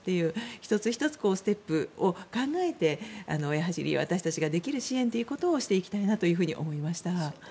１つ１つステップを考えて、私たちができる支援をしていきたいなと思いました。